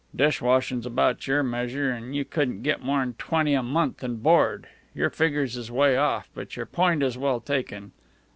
"Dish washin's about your measure, an' you couldn't get more'n twenty a month an' board. Your figgers is 'way off, but your point is well taken.